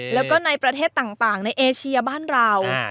แล้วก็ในประเทศต่างในเอเชียบ้านเรา